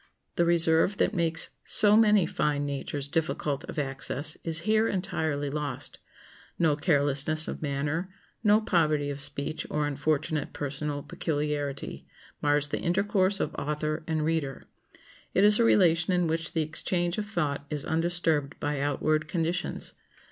The reserve that makes so many fine natures difficult of access is here entirely lost. No carelessness of manner, no poverty of speech or unfortunate personal peculiarity, mars the intercourse of author and reader. It is a relation in which the exchange of thought is undisturbed by outward conditions.